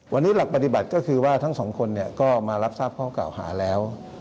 วันนี้หลักปฏิบัติก็คือว่าทั้งสองคนก็มารับทราบข้อเก่าหาแล้ว